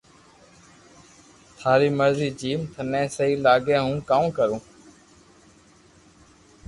ٿاري مرزي جيم ٿني سھي لاگي ھون ڪاو ڪرو